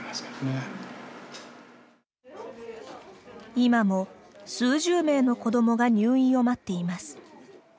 今も数十名の子どもが入院を待っています。